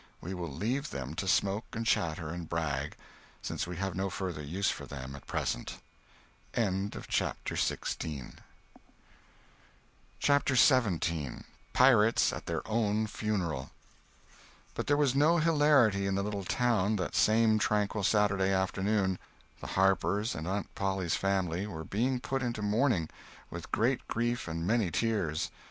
We will leave them to smoke and chatter and brag, since we have no further use for them at present. CHAPTER XVII BUT there was no hilarity in the little town that same tranquil Saturday afternoon. The Harpers, and Aunt Polly's family, were being put into mourning, with great grief and many tears.